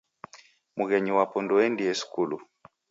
Mghenyu wapo ndouendie skulu.